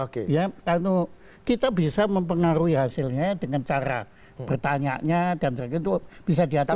karena kita bisa mempengaruhi hasilnya dengan cara bertanya dan sebagainya itu bisa diatur